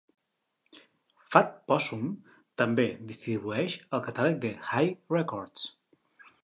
Fat Possum també distribueix el catàleg de Hi Records.